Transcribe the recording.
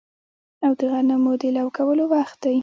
او د غنمو د لو کولو وخت دی